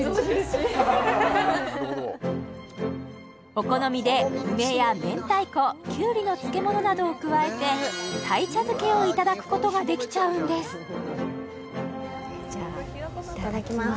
お好みで梅や明太子きゅうりの漬物などを加えてをいただくことができちゃうんですじゃあいただきます